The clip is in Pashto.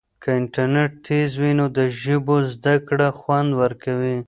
که انټرنیټ تېز وي نو د ژبو زده کړه خوند ورکوي.